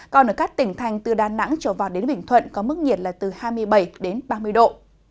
còn ở các tỉnh thành từ đà nẵng trở vào đến bình thuận có mức nhiệt là từ hai mươi bảy đến ba mươi độ